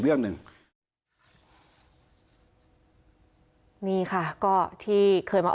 คุณประสิทธิ์ทราบรึเปล่าคะว่า